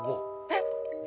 えっ？